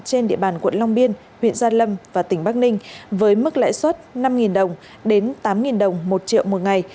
trên địa bàn quận long biên huyện gia lâm và tỉnh bắc ninh với mức lãi suất năm đồng đến tám đồng một triệu một ngày